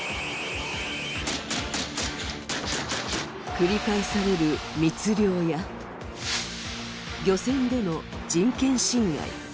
繰り返される密漁や漁船での人権侵害。